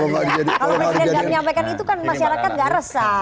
kalau presiden gak menyampaikan itu kan masyarakat gak resah